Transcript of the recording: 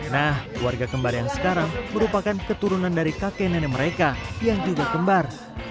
nah warga kembar yang sekarang merupakan keturunan dari kakek nenek mereka yang juga kembar